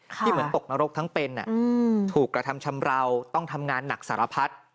เหมือนตกนรกทั้งเป็นถูกกระทำชำราวต้องทำงานหนักสารพัด